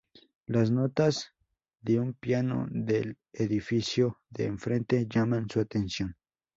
Las notas de un piano del edificio de enfrente llaman su atención.